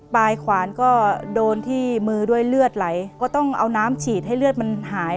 ขวานก็โดนที่มือด้วยเลือดไหลก็ต้องเอาน้ำฉีดให้เลือดมันหาย